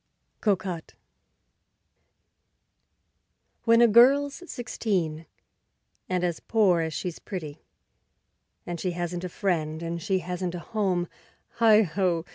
Cocotte When a girl's sixteen, and as poor as she's pretty, And she hasn't a friend and she hasn't a home, Heigh ho!